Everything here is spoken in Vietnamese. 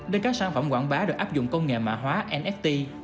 đến các sản phẩm quảng bá được áp dụng công nghệ mạ hóa nft